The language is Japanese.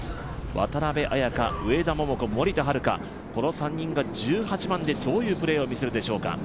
渡邉彩香、上田桃子、森田遥、この３人が１８番でどういうプレーを見せるでしょうか。